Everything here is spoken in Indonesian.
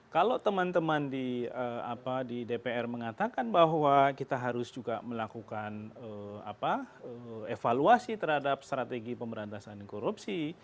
kalau teman teman di dpr mengatakan bahwa kita harus juga melakukan evaluasi terhadap strategi pemberantasan korupsi